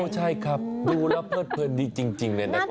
ใช่ครับดูแล้วเพิดเพลินดีจริงเลยนะครับ